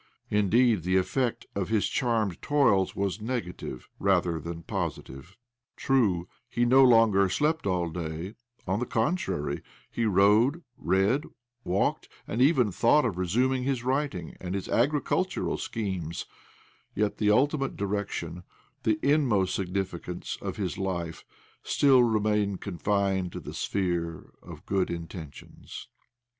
Indeed, the effect of his charmed toils was negative rather than positive. True, he no longer slept all day— on the contrary, he rode, read, walked, and even thought of resuming his writing and his agricultural schemes ; yet the ultimate direction, the inmost signi ficance, of his life still remained confined to the sphere of good intentions.